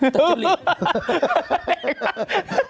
แต่จริง